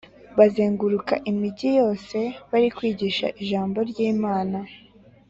Bazenguruka imigi yose barikwigisha ijambo ryi Imana